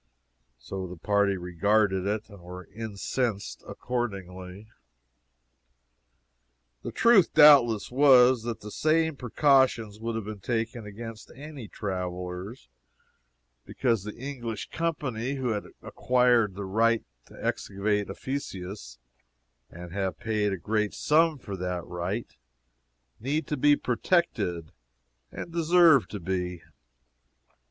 So the party regarded it, and were incensed accordingly. The truth doubtless was, that the same precautions would have been taken against any travelers, because the English Company who have acquired the right to excavate Ephesus, and have paid a great sum for that right, need to be protected, and deserve to be.